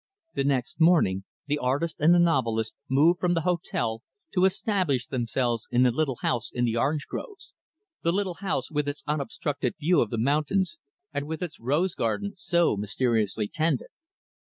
The next morning, the artist and the novelist moved from the hotel, to establish themselves in the little house in the orange groves the little house with its unobstructed view of the mountains, and with its rose garden, so mysteriously tended.